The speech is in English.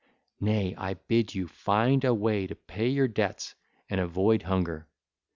Nay, I bid you find a way to pay your debts and avoid hunger. (ll.